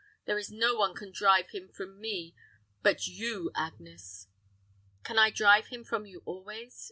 There is no one can drive him from me but you, Agnes." "Can I drive him from you always?"